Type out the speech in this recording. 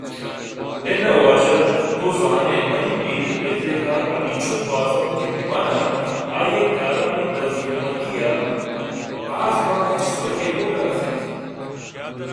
اناں واجہ ! تو زانئے منی پیریں پت ءِ کار ہمنچک باز اَنت کہ من ءَ آئی ءِ کارانی دزکمکی ءَ بازبراں ہچ سُرگ ءِ موہ نہ رسیت